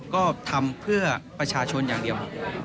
ก็ทำเพื่อประชาชนอย่างเดียว